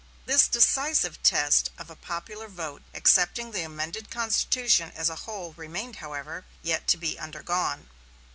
The decisive test of a popular vote accepting the amended constitution as a whole, remained, however, yet to be undergone.